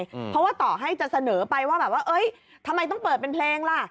เพราะว่าต่อให้จะเสนอไปว่าทำไมต้องเปิดเป็นเพลงล่ะ